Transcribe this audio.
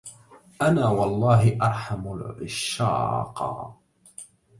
أنا والله أرحم العشاقا